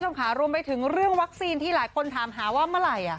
คุณผู้ชมค่ะรวมไปถึงเรื่องวัคซีนที่หลายคนถามหาว่าเมื่อไหร่